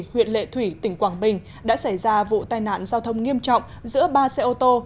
huyện lệ thủy tỉnh quảng bình đã xảy ra vụ tai nạn giao thông nghiêm trọng giữa ba xe ô tô